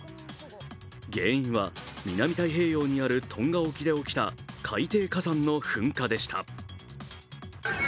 原因は南太平洋にあるトンガ沖で起きた海底火山の噴火でした。